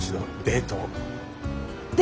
デート。